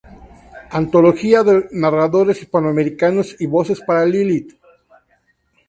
Antología de narradores hispanoamericanos" y "Voces para Lilith.